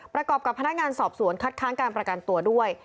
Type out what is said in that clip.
ประกอบกับพนักงานสอบสวนคัดค้างการประกันตัวด้วย